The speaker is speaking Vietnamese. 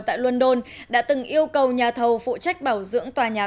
tại london đã từng yêu cầu nhà thầu phụ trách bảo dưỡng tòa nhà